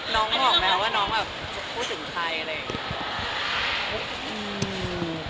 น้องบอกแล้วว่าน้องพูดถึงใคร